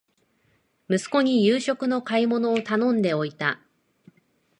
息子に夕食の買い物を頼んでおいた